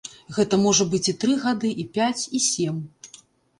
Гэта можа быць і тры гады, і пяць і сем.